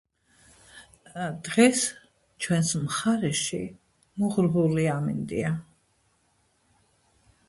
დღეს ჩვენს მხარეში მოღრუბლული ამინდია.